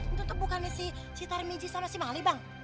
itu tuh bukannya si tarimiji sama si mali bang